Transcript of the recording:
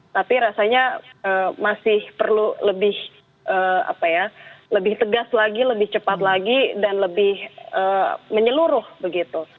tapi rasanya masih perlu lebih tegas lagi lebih cepat lagi dan lebih menyeluruh begitu